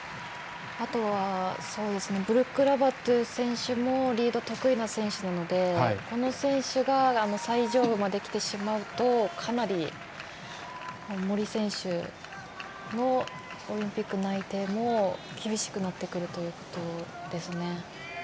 あとはブルック・ラバトゥ選手もリード得意な選手なのでこの選手が最上部まできてしまうとかなり森選手のオリンピック内定も厳しくなってくるということですね。